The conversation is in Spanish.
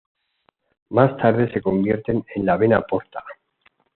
Más tarde se convierten en la vena porta.